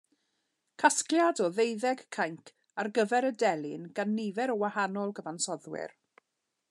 Casgliad o ddeuddeg cainc ar gyfer y delyn gan nifer o wahanol gyfansoddwyr.